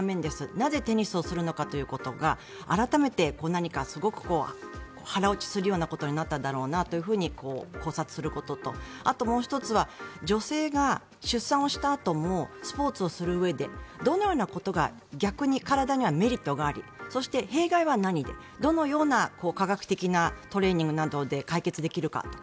なぜ、テニスをするのかということが改めて何かすごく腹落ちするようなことになっただろうなと考察することとあともう１つは女性が出産したあともスポーツをするうえでどのようなことが逆に体にはメリットがありそして弊害は何で、どのような科学的なトレーニングなどで解決できるかとか。